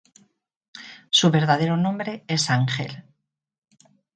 Su verdadero nombre es Ángel.